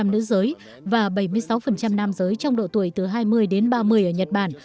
một mươi nữ giới và bảy mươi sáu nam giới trong độ tuổi từ hai mươi đến ba mươi ở nhật bản